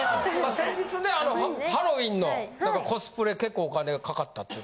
先日ねハロウィンのコスプレ結構お金がかかったという。